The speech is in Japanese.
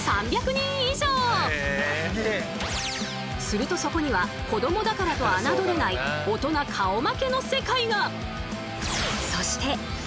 するとそこには子どもだからと侮れない大人顔負けの世界が！